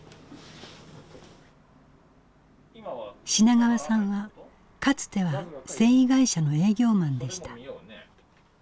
品川さんはかつては繊維会社の営業マンでした。